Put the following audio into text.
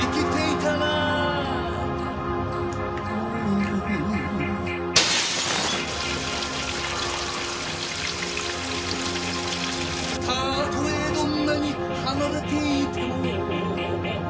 「たとえどんなに離れていても」